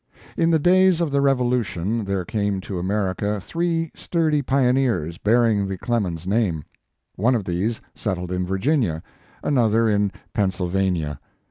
In the days of the Revolution there came to America three sturdy pioneers bearing the Clemens name. One of these settled in Virginia, another in Pennsyl vania.